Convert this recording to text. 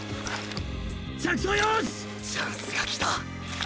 チャンスが来た！